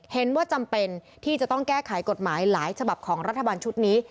เห็นว่าจำเป็นที่จะต้องแก้ไขกฎหมายหลายฉบับของรัฐบาลชุดนี้